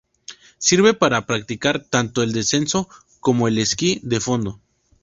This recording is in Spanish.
Sirve para practicar tanto el descenso como el esquí de fondo.